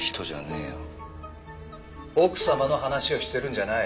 奥様の話をしてるんじゃない。